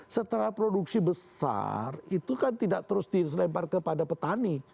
setelah produksi besar itu kan tidak terus dilempar kepada petani